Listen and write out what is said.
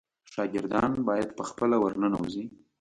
شاګردان باید په خپله ورننوزي.